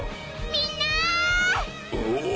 ・みんな。